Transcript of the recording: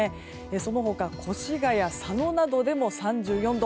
その他、越谷、佐野などでも３４度。